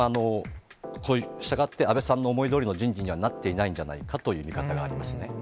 したがって、安倍さんの思い通りの人事にはなっていないんじゃないかという見方がありますね。